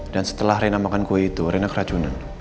dan setelah reyna makan kue itu reyna keracunan